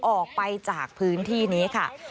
ออกไปจากพื้นที่นี้ค่ะ